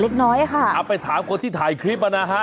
เอาไปถามคนที่ถ่ายคลิปครับนะคะ